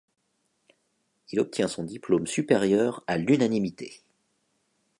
Il obtient son diplôme supérieur à l'unanimité.